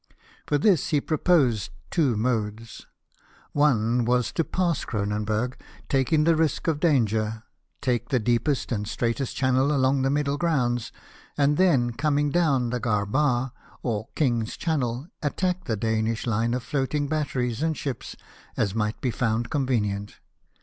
For this he proposed two modes. One was to pass Cronenburg, taking the risk of danger ; take the deepest and straitest channel along the Middle Grounds ; and then coming down the Garbar, or King's Channel, attack the Danish line of floating batteries and ships as might be found convenient.